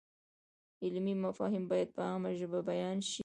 علمي مفاهیم باید په عامه ژبه بیان شي.